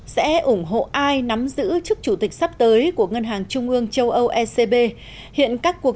sẽ ủng hộ ai nắm giữ chức chủ tịch sắp tới của ngân hàng trung ương châu âu ecb hiện các cuộc